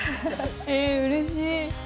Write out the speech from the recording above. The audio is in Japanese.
えうれしい。